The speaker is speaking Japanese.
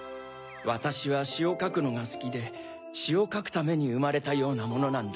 わたしはしをかくのがすきでしをかくためにうまれたようなものなんだ。